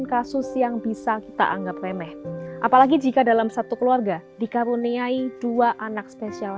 kasus yang bisa kita anggap remeh apalagi jika dalam satu keluarga dikaruniai dua anak spesial